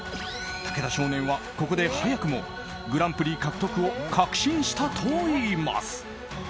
武田少年は、ここで早くもグランプリ獲得を確信したといいます。